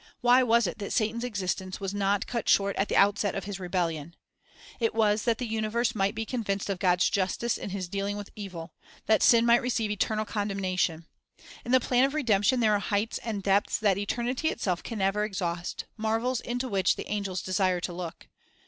Why was it that Satan's existence was not cut short at the outset of his rebellion? — It was that the universe might be convinced of God's justice in His dealing with evil; that sin might receive eternal condemnation. In the plan of redemption there are heights and depths that eternity itself can never exhaust, marvels into which the angels desire to look.